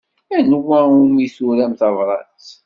Anwa umi turam tabṛat?